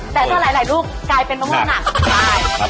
แต่ถ้าหลายลูกกลายเป็นมะม่วงหนักได้